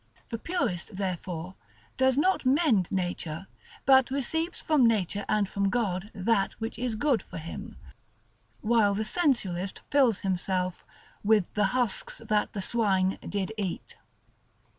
The Purist, therefore, does not mend nature, but receives from nature and from God that which is good for him; while the Sensualist fills himself "with the husks that the swine did eat."